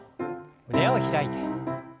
胸を開いて。